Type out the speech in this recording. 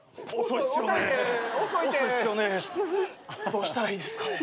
どうしたらいいですかね？